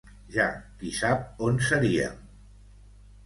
Ja qui sap on seríem!